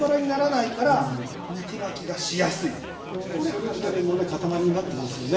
それぞれのね塊になってますよね。